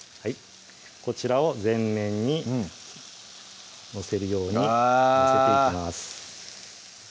こちらを全面に載せるように載せていきます